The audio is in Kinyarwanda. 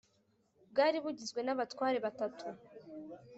bwari bugizwe n abatware batatu